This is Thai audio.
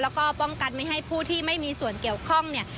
แล้วก็ป้องกันไม่ให้ผู้ที่ไม่มีส่วนเกี่ยวข้องเนี่ย